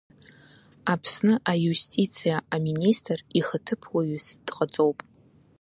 Аԥсны аиустициа аминистр ихаҭыԥуаҩыс дҟаҵоуп…